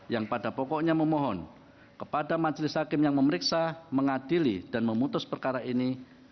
yang pada pokoknya memohon kepada majelis hakim yang memeriksa mengadili dan memutus perkara ini